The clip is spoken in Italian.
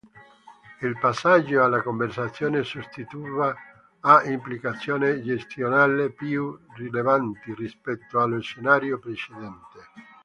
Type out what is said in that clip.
Il passaggio alla conservazione sostitutiva ha implicazioni gestionali più rilevanti rispetto allo scenario precedente.